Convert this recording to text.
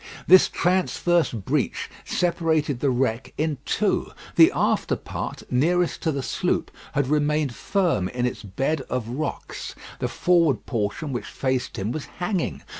This transverse breach separated the wreck in two. The after part, nearest to the sloop, had remained firm in its bed of rocks. The forward portion which faced him was hanging.